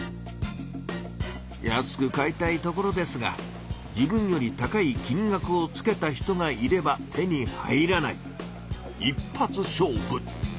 安く買いたいところですが自分より高い金額をつけた人がいれば手に入らない一発勝負。